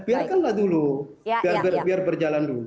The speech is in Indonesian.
biarkanlah dulu biar berjalan dulu